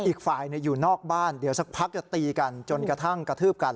อีกฝ่ายอยู่นอกบ้านเดี๋ยวสักพักจะตีกันจนกระทั่งกระทืบกัน